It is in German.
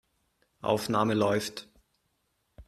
Aufnahme läuft.